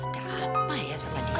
gak apa ya sama dia